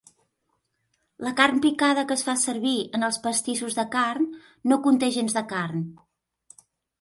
La carn picada que es fa servir en els pastissos de carn no conté gens de carn.